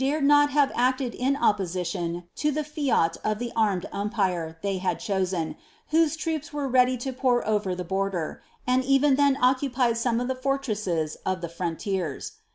dareil not have acietl in opposhion to the fiai of the arm<td unpin ihcj liad chosen, whose troops were ready lo pour over the border, and vtrt then nceupied some of the fortresses of the froiilieni.